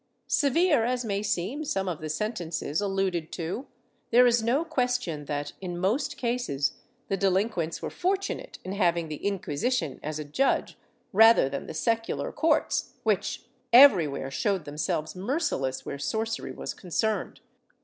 ^ Severe as may seem some of the sentences alluded to, there is no question that, in most cases, the delinquents were fortunate in having the Incjuisition as a judge rather than the secular courts, which everywhere showed themselves merciless where sorcery was concerned.